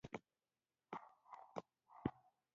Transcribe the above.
• عقربې د وخت ژبه ده.